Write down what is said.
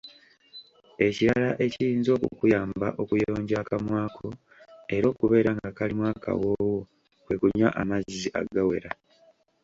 Ekirala ekiyinza okukuyamba okuyonja akamwa ko era okubeera nga kalimu akawoowo, kwe kunywa amazzi agawera